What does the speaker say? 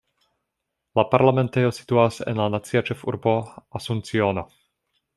La parlamentejo situas en la nacia ĉefurbo Asunciono.